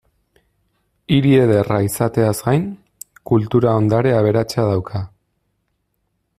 Hiri ederra izateaz gain, kultura-ondare aberatsa dauka.